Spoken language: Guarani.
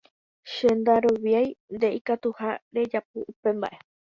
Che ndaroviái nde ikatutaha rejapo upe mba'e